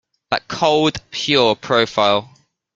That cold, pure profile.